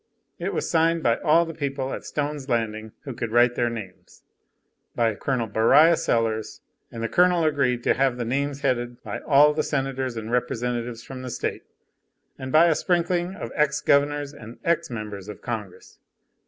It was signed by all the people at Stone's Landing who could write their names, by Col. Beriah Sellers, and the Colonel agreed to have the names headed by all the senators and representatives from the state and by a sprinkling of ex governors and ex members of congress.